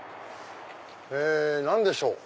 何でしょう？